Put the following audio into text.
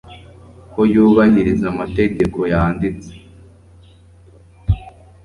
Ko yubahiriza amategeko yanditse